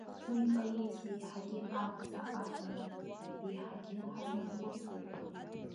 Уи ипоезиа еиҳагьы амаӡа аҵанаҵоит, еиҳагьы ҳазнархәыцуеит.